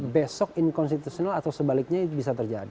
besok inkonstitusional atau sebaliknya itu bisa terjadi